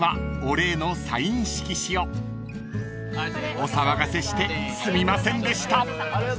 ［お騒がせしてすみませんでした］